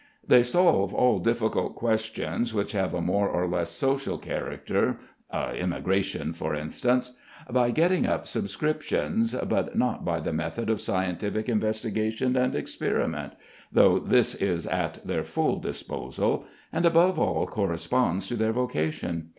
They solve all difficult questions which have a more or less social character (emigration, for instance) by getting up subscriptions, but not by the method of scientific investigation and experiment, though this is at their full disposal, and, above all, corresponds to their vocation.